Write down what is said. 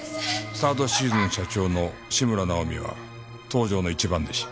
サードシーズン社長の志村尚美は東条の一番弟子。